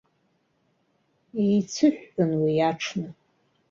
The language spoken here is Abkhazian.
Еицыҳәҳәон уи аҽны.